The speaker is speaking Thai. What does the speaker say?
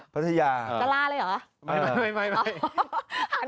จราเลยเหรอ